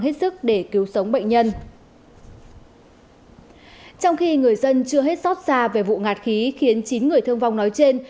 trong khi người dân chưa hết xót xa về vụ ngạt khí khiến chín người thương vong nói trên